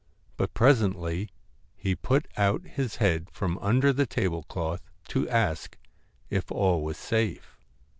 But presently he put out his head from under the table cloth to ask if all was safe.